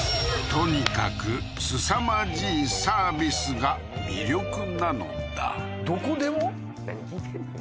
とにかく凄まじいサービスが魅力なのだどこでも？